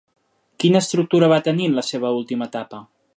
Quina estructura va tenir en la seva última etapa?